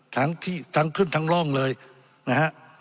ทั้งที่ทั้งขึ้นทั้งร่องเลยนะฮะ